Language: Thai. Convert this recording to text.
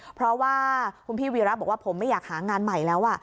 เพราะว่าคุณพี่วีระบอกว่าผมไม่อยากหางานใหม่แล้ว